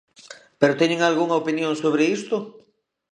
¿Pero teñen algunha opinión sobre isto?